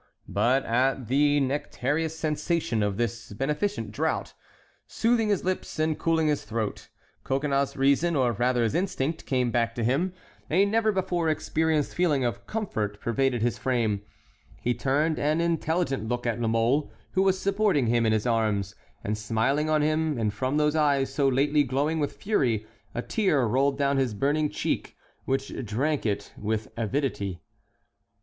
But at the nectarous sensation of this beneficent draught, soothing his lips and cooling his throat, Coconnas's reason, or rather his instinct, came back to him, a never before experienced feeling of comfort pervaded his frame; he turned an intelligent look at La Mole, who was supporting him in his arms, and smiling on him; and from those eyes, so lately glowing with fury, a tear rolled down his burning cheek, which drank it with avidity.